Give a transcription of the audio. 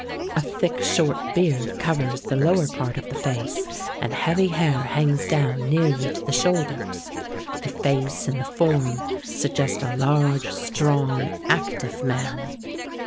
A thick short beard covers the lower part of the face, and heavy hair hangs down nearly to the shoulders. The face and the form suggest a large, strong, active man.